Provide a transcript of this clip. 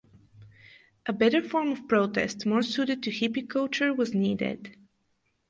A better form of protest, more suited to hippie culture was needed.